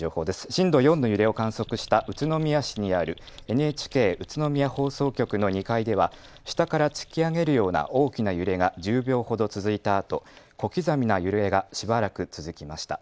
震度４の揺れを観測した宇都宮市にあるＮＨＫ宇都宮放送局の２階では下から突き上げるような大きな揺れが１０秒ほど続いたあと小刻みな揺れがしばらく続きました。